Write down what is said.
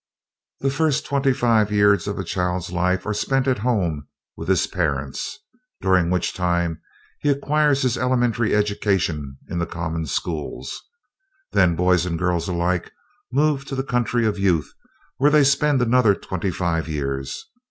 The first twenty five years of a child's life are spent at home with his parents, during which time he acquires his elementary education in the common schools. Then boys and girls alike move to the Country of Youth, where they spend another twenty five years.